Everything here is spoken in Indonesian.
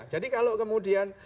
jadi kalau kemudian